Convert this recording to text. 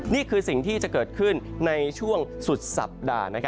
นี่คือสิ่งที่จะเกิดขึ้นในช่วงสุดสัปดาห์